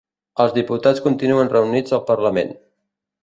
Els diputats continuen reunits al parlament.